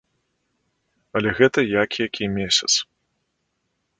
Але гэта як які месяц.